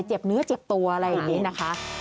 เจ็บเนื้อเจ็บตัวอะไรอย่างนี้นะคะ